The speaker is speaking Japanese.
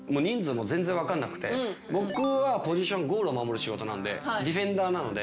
僕はポジションゴールを守る仕事なんでディフェンダーなので。